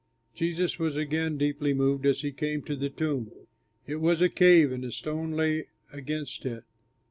Jesus was again deeply moved, as he came to the tomb. It was a cave, and a stone lay against it.